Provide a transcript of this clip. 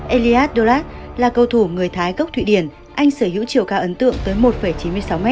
elias dolat là cầu thủ người thái gốc thụy điển anh sở hữu chiều cao ấn tượng tới một chín mươi sáu m